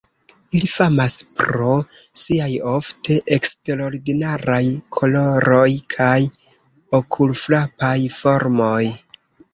Ili famas pro siaj ofte eksterordinaraj koloroj kaj okulfrapaj formoj.